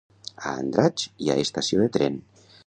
A Andratx hi ha estació de tren?